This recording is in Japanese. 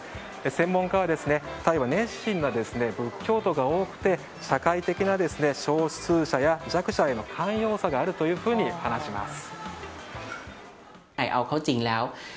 専門家はタイは熱心な仏教徒が多くて社会的な少数者や弱者への寛容さがあると話します。